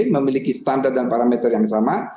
memiliki standar dan parameter yang sama